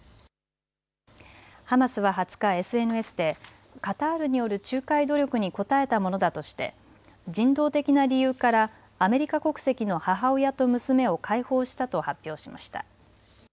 ハマスは２０日、ＳＮＳでカタールによる仲介努力に応えたものだとして人道的な理由からアメリカ国籍の母親と娘を解放したと発表しました。